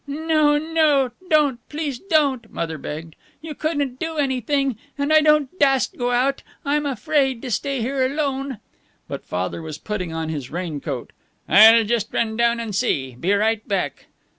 "No, no, don't, please don't!" Mother begged. "You couldn't do anything, and I don't dast to go out and I'm afraid to stay here alone." But Father was putting on his raincoat. "I'll just run down and see be right back."